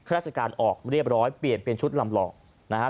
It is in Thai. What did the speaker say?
ราชการออกเรียบร้อยเปลี่ยนเป็นชุดลำหลอกนะฮะ